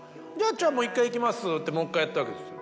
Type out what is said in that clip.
じゃあもう１回いきますってもう１回やったわけですよ。